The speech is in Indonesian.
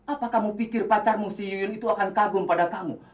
apa kamu pikir pacarmu siyun itu akan kagum pada kamu